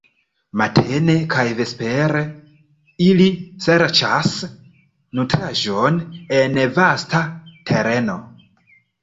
Matene kaj vespere ili serĉas nutraĵon en vasta tereno.